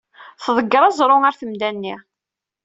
Tḍegger aẓru ɣer temda-nni.